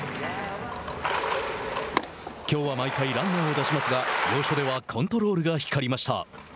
きょうは毎回ランナーを出しますが要所ではコントロールが光りました。